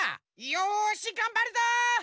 よしがんばるぞ！